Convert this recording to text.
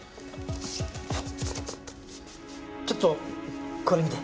ちょっとこれ見て。